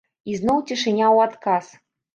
Ізноў цішыня ў адказ.